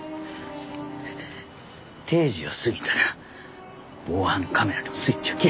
定時を過ぎたら防犯カメラのスイッチを切れ。